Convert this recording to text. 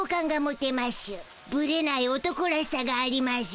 ぶれない男らしさがありましゅ。